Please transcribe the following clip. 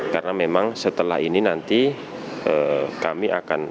pemilu legislatif dpr dan dprd dua ratus enam puluh tiga diantaranya